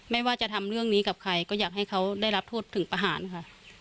ไม่ว่าจะทำเรื่องนี้กับใครก็อยากให้เขาได้รับโทษถึงประหารค่ะ